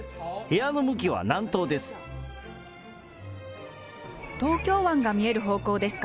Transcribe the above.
部屋の向きは南東です。